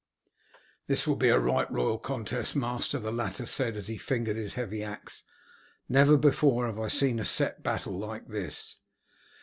"This will be a right royal contest, master," the latter said as he fingered his heavy axe. "Never before have I seen a set battle like this."